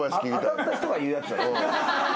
当たった人が言うやつ。